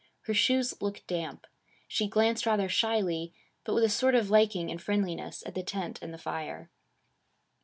Her shoes looked damp. She glanced rather shyly, but with a sort of liking and friendliness, at the tent and the fire.